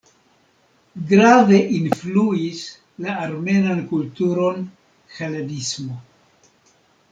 Grave influis la armenan kulturon helenismo.